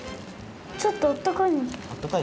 ちょっとあったかい。